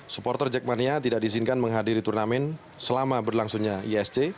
supporter jack mania tidak disingkan menghadiri turnamen selama berlangsungnya isc